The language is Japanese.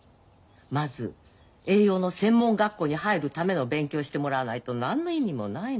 まず栄養の専門学校に入るための勉強をしてもらわないと何の意味もないの。